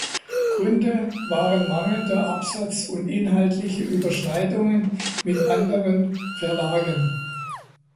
Gründe waren mangelnder Absatz und inhaltliche Überschneidungen mit anderen Verlagen.